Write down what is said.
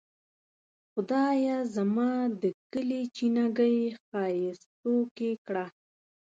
خدایه زما د کلي چینه ګۍ ښائستوکې کړه.